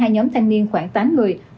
hai nhóm thanh niên khoảng tám người